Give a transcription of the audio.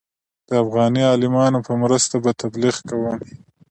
د افغاني عالمانو په مرسته به تبلیغ کوم.